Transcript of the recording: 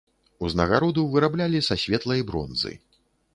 Узнагароду выраблялі са светлай бронзы.